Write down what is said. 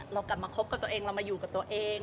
เรากลับมาคบกับตัวเองเรามาอยู่กับตัวเอง